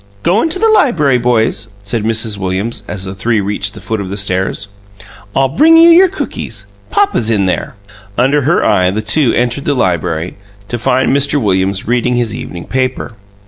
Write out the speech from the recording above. "Go into the library, boys," said Mrs. Williams, as the three reached the foot of the stairs. "I'll bring you your cookies. Papa's in there." Under her eye the two entered the library, to find Mr. Williams reading his evening paper.